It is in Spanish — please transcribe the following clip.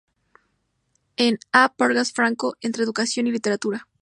En, A. Vargas Franco, Entre educación y literatura.